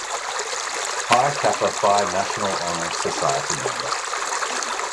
Phi Kappa Phi National Honor Society member.